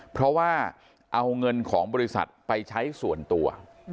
เพราะว่าเอาเงินของบริษัทไปใช้ส่วนตัว